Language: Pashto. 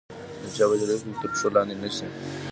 د چا بشري حقوق تر پښو لاندې نه شي.